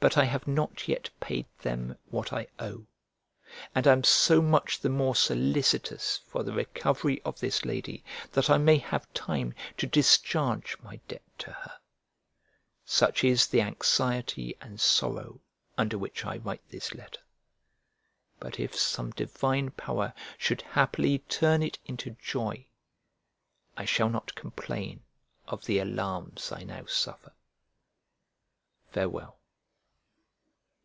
But I have not yet paid them what I owe, and am so much the more solicitous for the recovery of this lady, that I may have time to discharge my debt to her. Such is the anxiety and sorrow under which I write this letter! But if some divine power should happily turn it into joy, I shall not complain of the alarms I now suffer. Farewell.